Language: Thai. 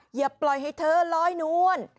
อย่าปล่อยให้เธอร้อยนุ่น